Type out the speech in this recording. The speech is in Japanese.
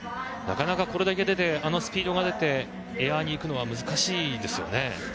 なかなかこれだけあのスピードが出てエアにいくのは難しいですよね。